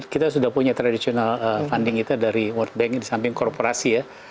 kita sudah punya traditional funding kita dari world bank di samping korporasi ya